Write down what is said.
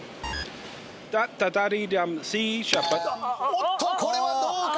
おっとこれはどうか？